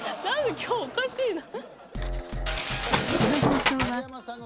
今日おかしいな。